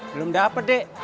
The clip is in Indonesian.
belum dapat dek